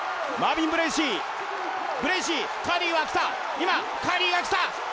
今、カーリーがきた！